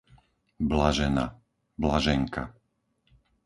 Blažena, Blaženka